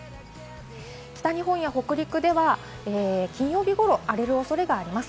北日本や北陸では金曜日ごろ、荒れる恐れがあります。